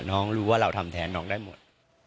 รู้ว่าเราทำแทนน้องได้หมด